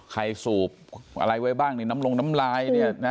ใครสูบอะไรไว้บ้างนี่น้ำลงน้ำลายเนี่ย